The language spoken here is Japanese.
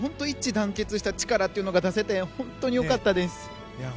一致団結した力というのが出せて本当によかったです。